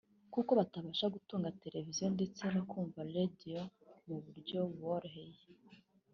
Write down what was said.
kuko batabasha gutunga televiziyo ndetse no kumva radio mu buryo buboroheye